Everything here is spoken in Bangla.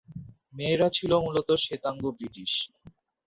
মেয়েরা ছিল মূলত শ্বেতাঙ্গ ব্রিটিশ।